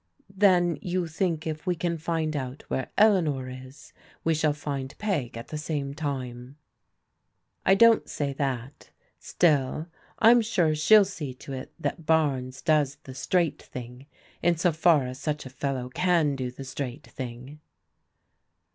" Then you think if we can find out where Eleanor is, we shall find Peg at the same time? "" I don't say that. Still I'm sure shell see to it that Bames does the straight thing, in so far as such a fellow can do the straight thing."